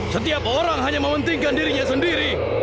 setiap orang hanya mementingkan dirinya sendiri